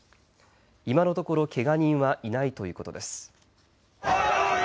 今のところけが人はいないということです。